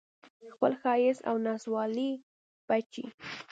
خپل ښایسته او نازولي بچي